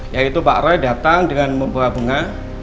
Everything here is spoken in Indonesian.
yaitu pak roy datang dengan membawa bunga